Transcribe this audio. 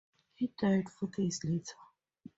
He died four days later.